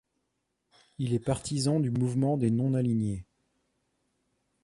Il est partisan du mouvement des non-alignés.